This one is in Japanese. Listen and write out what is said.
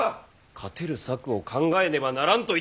勝てる策を考えねばならんと言っておる！